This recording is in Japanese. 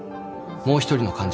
もう一人の患児